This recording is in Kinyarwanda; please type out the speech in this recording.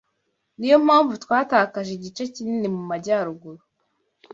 Niyo mpamvu twatakaje igice kinini mu majyaruguru